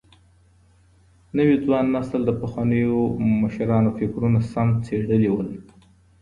نوي ځوان نسل د پخوانيو مشرانو فکرونه سم څېړلي وو.